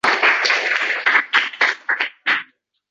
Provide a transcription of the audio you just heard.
bu ularga ta’sir qilishi amri mahol.